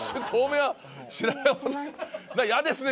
嫌ですね